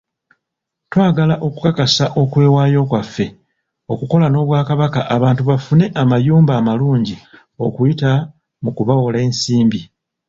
Twagala okukakasa okwewaayo kwaffe okukola n'Obwakabaka abantu bafune amayumba amalungi okuyita mu kubawola ensimbi.